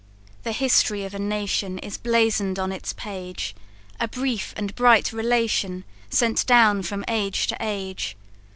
"The hist'ry of a nation Is blazon'd on its page, A brief and bright relation Sent down from age to age.